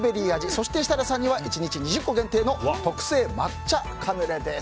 そして設楽さんには１日２０個限定の特製抹茶カヌレです。